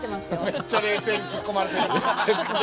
めっちゃ冷静に突っ込まれてる。